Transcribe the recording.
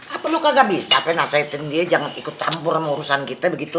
apa lo kagak bisa apa y nasahetin dia jangan ikut tambur sama urusan kita begitu